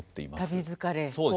旅疲れ。